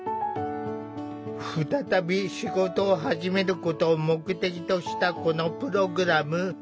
再び仕事を始めることを目的としたこのプログラム。